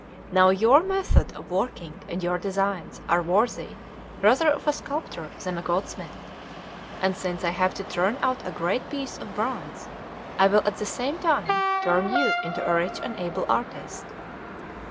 Now your method of working and your designs are worthy rather of a sculptor than a goldsmith; and since I have to turn out a great piece of bronze, I will at the same time turn you into a rich and able artist."